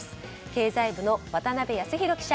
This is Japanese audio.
経済部の渡辺康弘記者